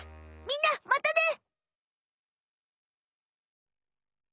みんなまたね！